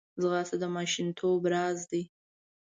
ځغاسته د ماشومتوب راز دی